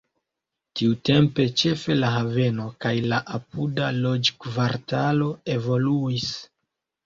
Tiutempe ĉefe la haveno kaj la apuda loĝkvartalo evoluis.